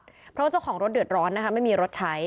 เพราะว่าเจ้าของรถเดือดร้อนนะคะไม่มีรถใช้